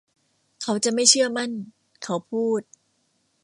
เขาจะไม่เชื่อมั่นเขาพูด